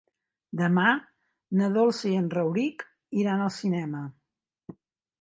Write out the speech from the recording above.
Demà na Dolça i en Rauric iran al cinema.